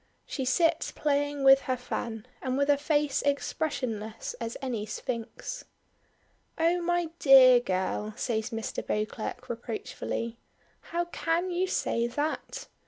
She sits playing with her fan, and with a face expressionless as any sphinx. "Oh! my dear girl!" says Mr. Beauclerk reproachfully, "how can you say that!